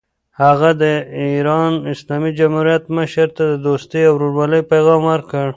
هغه د ایران اسلامي جمهوریت مشر ته د دوستۍ او ورورولۍ پیغام ورکړ.